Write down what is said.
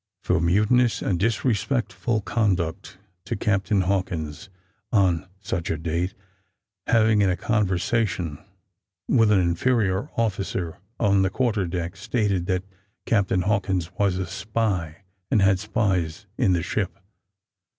For mutinous and disrespectful conduct to Captain Hawkins, on (such a date), having in a conversation with an inferior officer on the quarter deck stated that Captain Hawkins was a spy, and had spies in the ship.